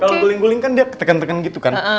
kalau guling guling kan dia tekan tekan gitu kan